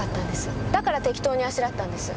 だから適当にあしらったんです。